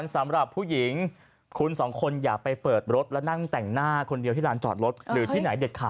สำหรับผู้หญิงคุณสองคนอย่าไปเปิดรถและนั่งแต่งหน้าคนเดียวที่ลานจอดรถหรือที่ไหนเด็ดขาด